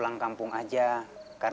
sampai jumpa disini